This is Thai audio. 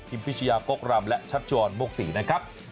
พิมพิชยาโป๊กรำและชัตชวนโมกศรีนะครับ